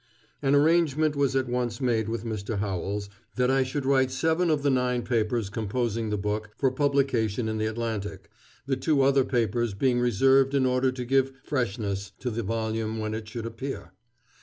An arrangement was at once made with Mr. Howells that I should write seven of the nine papers composing the book, for publication in the Atlantic, the two other papers being reserved in order to "give freshness" to the volume when it should appear.